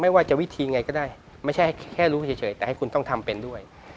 ว่าจะวิธีไงก็ได้ไม่ใช่แค่รู้เฉยแต่ให้คุณต้องทำเป็นด้วย